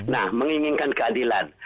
nah menginginkan keadilan